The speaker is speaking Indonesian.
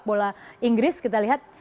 bola pesepak bola inggris kita lihat